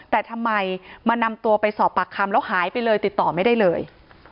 แต่ทำไมมานำตัวไปสอบปากคำแล้วหายไปเลยติดต่อไม่ได้เลย